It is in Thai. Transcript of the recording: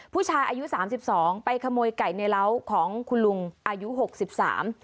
ผู้ชายอายุสามสิบสองไปขโมยไก่ในเล้าของคุณลุงอายุหกสิบสาม